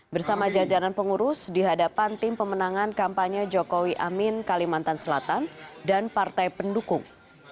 bersama jajanan pengurus dihadapan tim pemenangan kampanye jokowi amin kalimantan selatan dan partai pendukung